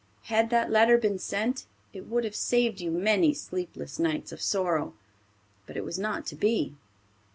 Had that letter been sent, it would have saved you many sleepless nights of sorrow. But it was not to be.